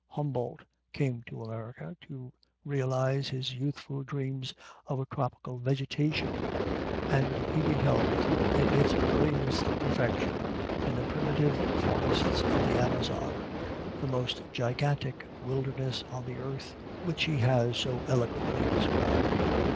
Humboldt came to America to realize his youthful dreams of a tropical vegetation, and he beheld it in its greatest perfection in the primitive forests of the Amazon, the most gigantic wilderness on the earth, which he has so eloquently described.